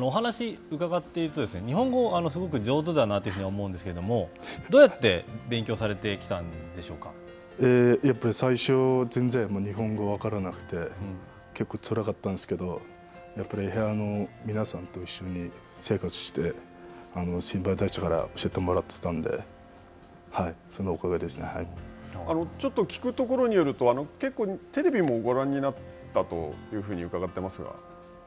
お話伺っているとですね、日本語すごく上手だなというふうに思うんですけれども、どうやって勉やっぱり最初全然日本語分からなくて、結構つらかったんですけどやっぱり部屋の皆さんと一緒に生活して、先輩たちから教えてもらちょっと聞くところによると、結構テレビもご覧になったというふうに伺っていますが。